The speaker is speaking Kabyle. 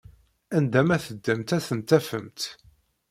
Anda ma teddamt ad ten-tafemt!